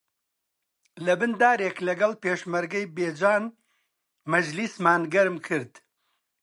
لەبن دارێک لەگەڵ پێشمەرگەی بێجان مەجلیسمان گەرم کرد